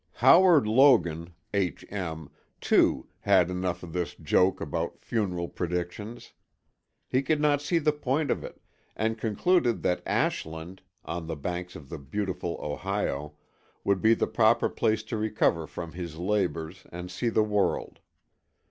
Howard Logan (H. M.) too, had enough of this joke about funeral predictions. He could not see the point of it, and concluded that Ashland, on the banks of the beautiful Ohio, would be the proper place to recover from his labors and see the world.